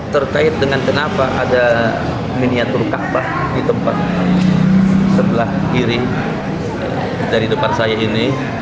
terkait dengan kenapa ada miniatur kaabah di tempat sebelah kiri dari depan saya ini